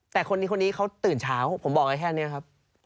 แต่คนนี้คนนี้เขาตื่นเช้าผมบอกไว้แค่นี้ครับ